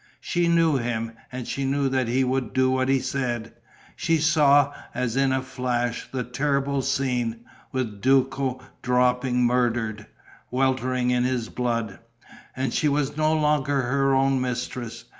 She knew him; and she knew that he would do what he said. She saw, as in a flash, the terrible scene, with Duco dropping, murdered, weltering in his blood. And she was no longer her own mistress.